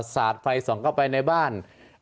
สาดไฟส่องเข้าไปในบ้าน